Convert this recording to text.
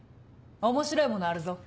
面白いものあるぞ。